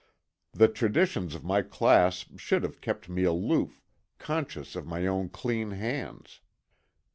The traditions of my class should have kept me aloof, conscious of my own clean hands.